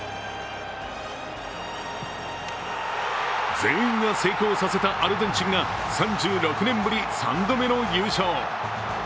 全員が成功させたアルゼンチンが３６年ぶり３度目の優勝。